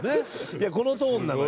いやこのトーンなのよ。